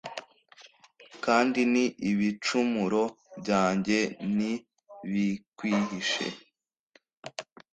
kandi n'ibicumuro byanjye ntibikwihishe